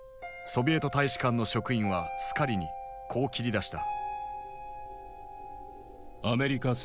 ソビエト大使館の職員はスカリにこう切り出した。